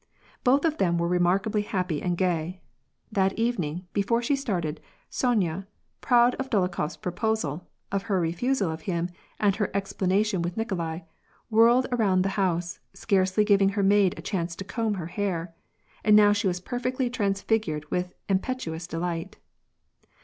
Both of them were re markably happy and gay. That evening, before she started, Sonya, proud of Dolokhof's proposal, of her refusal of him, and her explanation with Nikolai, whirled around the house, scarcely giving her maid a chance to comb her hair, and now she was perfectly transfigured with impetuous delight.